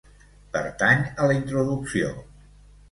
Pertany a la introducció.